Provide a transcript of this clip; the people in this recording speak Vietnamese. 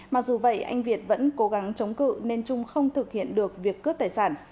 mặc dù vậy anh việt vẫn cố gắng chống cự nên trung không thực hiện được việc cướp tài sản